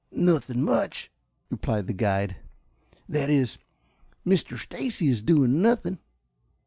"Nothing much," replied the guide. "That is, Mr. Stacy is doing nothing."